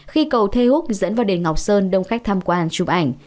khi cầu thê húc dẫn vào đền ngọc sơn đông khách tham quan chụp ảnh